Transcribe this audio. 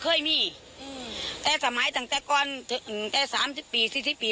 เคยมีอืมแต่สมัยตั้งแต่ก่อนถึงแต่สามสิบปีสี่สิบปี